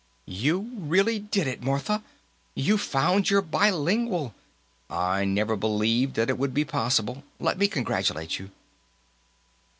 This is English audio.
"You really did it, Martha! You found your bilingual! I never believed that it would be possible; let me congratulate you!"